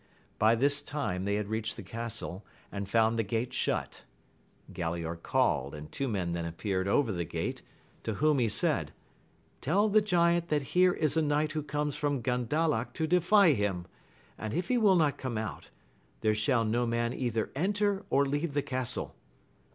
By this time they had reached the castle, and found the gate shut. Galaor called, and two men then appeared over the gate, to whom he said, tell the giant that here is a knight who comes from Gandalac to defy him, and if he will not come out, there shall no man either enter or leave the castle.